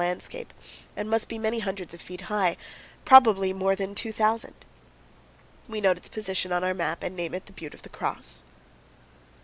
landscape and must be many hundreds of feet high, probably more than 2,000. We note its position on our map and name it "The Butte of the Cross."